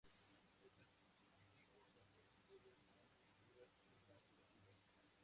Es activo contra bacterias Gram positivas y Gram negativas.